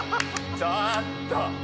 ちょっと！